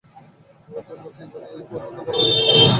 পূর্বে ত্রিবেণী পর্যন্ত বড় বড় জাহাজ অনায়াসে প্রবেশ করত।